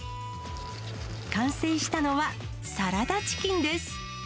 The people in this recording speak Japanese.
完成したのは、サラダチキンです。